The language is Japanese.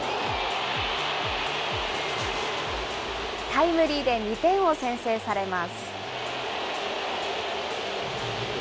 タイムリーで２点を先制されます。